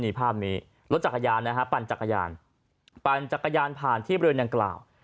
นี่ภาพนี้รถจักรยานนะฮะปั่นจักรยานปั่นจักรยานผ่านที่บริเวณดังกล่าว